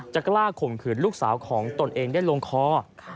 กล้าข่มขืนลูกสาวของตนเองได้ลงคอ